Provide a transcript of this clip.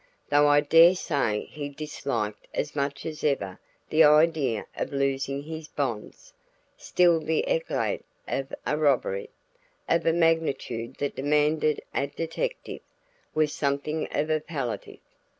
Though I dare say he disliked as much as ever the idea of losing his bonds, still the éclat of a robbery, of a magnitude that demanded a detective, was something of a palliative.